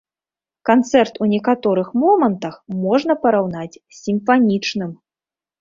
Канцэрт ў некаторых момантах можна параўнаць з сімфанічным.